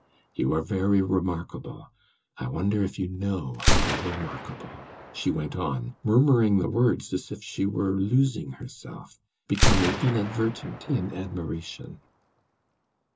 "You are very remarkable; I wonder if you know how remarkable!" she went on, murmuring the words as if she were losing herself, becoming inadvertent in admiration.